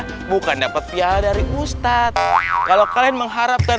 aherat buat tabungan kalian di aherat ya bukan dapat pihak dari ustadz kalau kalian mengharapkan